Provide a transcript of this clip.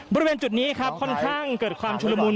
บริเวณจุดนี้ครับค่อนข้างเกิดความชุลมุน